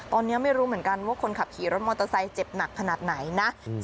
ตอนนี้ไม่รู้เหมือนกันว่าคนขับขี่รถมอเตอร์ไซค์เจ็บหนักขนาดไหนนะ